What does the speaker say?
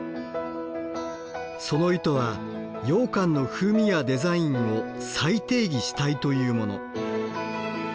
その意図はようかんの風味やデザインを再定義したいというもの。